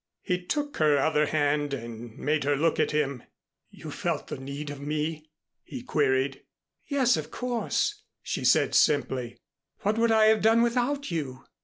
He took her other hand and made her look at him. "You felt the need of me?" he queried. "Yes, of course," she said simply. "What would I have done without you?"